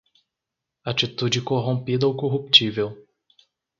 Atitude corrompida ou corruptível